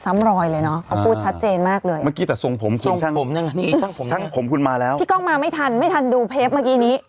เมื่อกี้แต่ทรงผมคุณทั้งผมคุณมาแล้วพี่กล้องมาไม่ทันไม่ทันดูเพปเมื่อกี้นี้